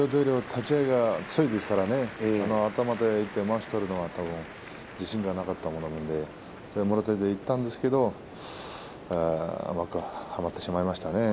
立ち合いが強いですからね千代大龍、頭で入ってまわしを取るのは自信がなかったもんでもろ手でいったんですけどもうまくはまってしまいましたね。